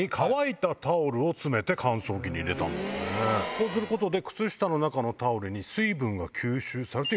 こうすることで。